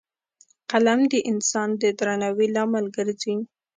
قلم د انسان د درناوي لامل ګرځي